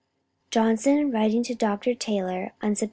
[H 2] Johnson, writing to Dr. Taylor on Sept.